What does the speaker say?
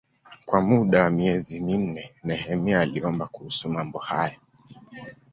Kwa muda wa miezi minne Nehemia aliomba kuhusu mambo hayo.